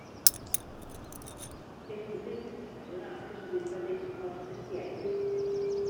És un riu estacional que sovint pateix forts estiatges.